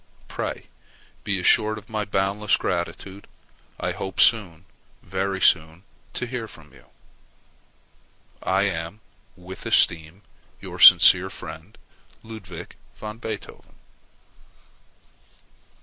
Pray be assured of my boundless gratitude. I hope soon, very soon, to hear from you. I am, with esteem, your sincere friend, LUDWIG VAN BEETHOVEN.